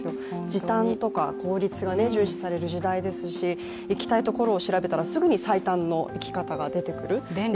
時短とか効率が重視される時代ですし行きたいところを調べたらすぐに最短の行き方が出てくる。